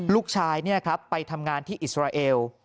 ลูกชายไปทำงานที่อิสราเอล